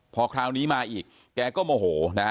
พอคราวนี้มาอีกแกก็โมโหนะฮะ